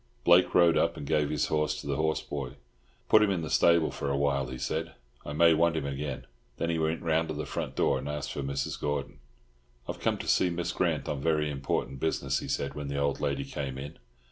Blake rode up and gave his horse to the horse boy. "Put him in the stable for a while," he said. "I may want him again." Then he went round to the front door and asked for Mrs. Gordon. "I have come to see Miss Grant on very important business," he said when the old lady came in.